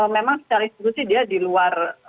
memang secara institusi dia di luar